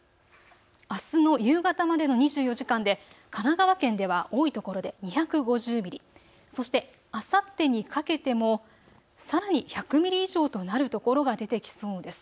あすの夕方までの２４時間で神奈川県では多いところで２５０ミリ、そして、あさってにかけてもさらに１００ミリ以上となるところが出てきそうです。